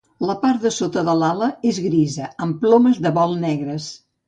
La part de sota de l'ala és grisa amb plomes de vol negres.